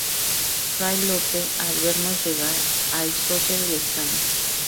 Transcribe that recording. fray Lope, al vernos llegar, alzóse del escaño: